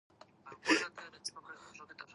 We're all writing collectively and individually.